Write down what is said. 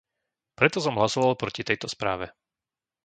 Preto som hlasoval proti tejto správe.